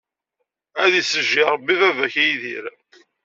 Ad isejji Rebbi baba-k a Yidir.